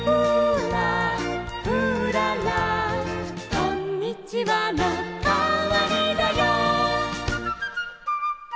「こんにちはのかわりだよ」